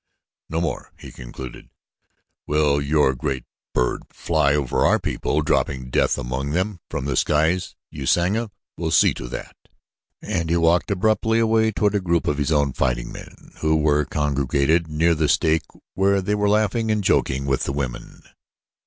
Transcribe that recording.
"No more," he concluded, "will your great bird fly over our people dropping death among them from the skies Usanga will see to that," and he walked abruptly away toward a group of his own fighting men who were congregated near the stake where they were laughing and joking with the women.